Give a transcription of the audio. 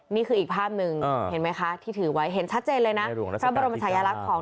นี่คืออีกภาพหนึ่งเห็นไหมคะที่ถือไว้เห็นชัดเจนเลยนะ